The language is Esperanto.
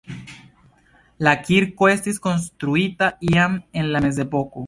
La kirko estis konstruita iam en la mezepoko.